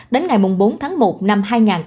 đến ngày bốn tháng một năm hai nghìn hai mươi